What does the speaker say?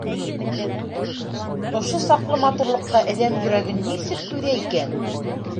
Ошо саҡлы матурлыҡҡа әҙәм йөрәге нисек түҙә икән?